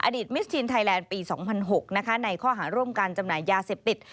มิสทีนไทยแลนด์ปี๒๐๐๖นะคะในข้อหาร่วมการจำหน่ายยาเสพติด